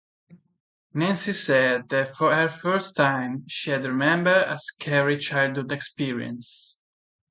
Nancy said that for her first time, she had remembered a scary childhood experience.